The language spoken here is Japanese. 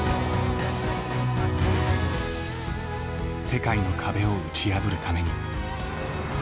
世界の壁を打ち破るために。